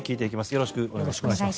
よろしくお願いします。